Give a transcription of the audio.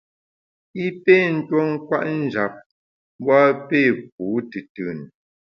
I pé tuo kwet njap, mbu a pé pu tùtùn.